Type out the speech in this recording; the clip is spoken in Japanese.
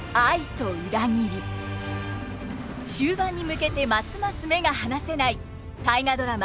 終盤に向けてますます目が離せない大河ドラマ